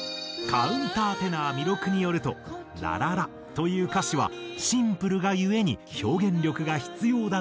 カウンターテナー彌勒によると「ラララ」という歌詞はシンプルが故に表現力が必要だという。